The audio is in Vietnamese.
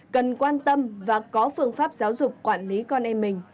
cần quan tâm và có phương pháp giáo dục quản lý con em mình